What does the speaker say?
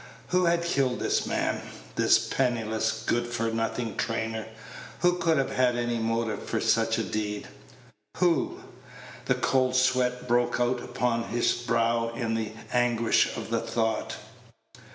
Who had killed this man this penniless, good for nothing trainer? Who could have had any motive for such a deed? Who The cold sweat broke out upon his brow in the anguish of the thought.